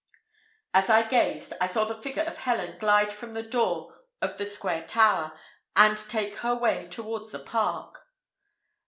As I gazed, I saw the figure of Helen glide from the door of the square tower, and take her way towards the park.